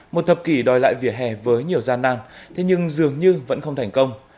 một thập kỷ đòi lại việc hè với nhiều gian năng thế nhưng dường như vẫn không thành công